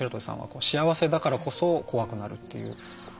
幸せだからこそ怖くなるっていう。